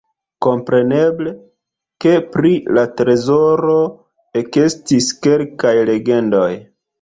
Kompreneble, ke pri la trezoro ekestis kelkaj legendoj.